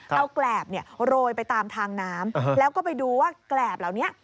เอาแกรบโรยไปตามทางน้ำแล้วก็ไปดูว่าแกรบเหล่านี้